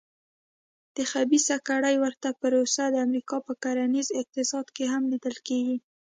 د خبیثه کړۍ ورته پروسه د امریکا په کرنیز اقتصاد کې هم لیدل کېږي.